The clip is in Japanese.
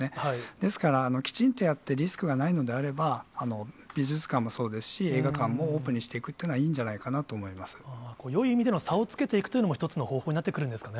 ですから、きちんとやって、リスクがないのであれば、美術館もそうですし、映画館もオープンにしていくっていうのは、よい意味での、差をつけていくというのも一つの方法になってくるんですかね。